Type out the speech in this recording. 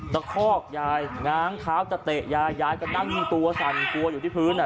คอกยายง้างเท้าจะเตะยายยายก็นั่งตัวสั่นกลัวอยู่ที่พื้นอ่ะ